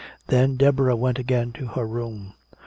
Then Deborah went again to her room.